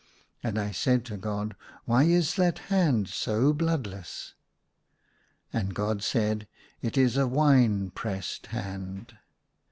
And I said to God, " Why is that hand so bloodless ?" And God said, "It is a wine pressed hand."